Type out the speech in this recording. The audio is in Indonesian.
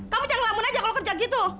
kamu jangan lamun aja kalau kerja gitu